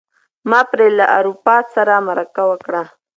ما پرې له ارواپوه سره مرکه وکړه.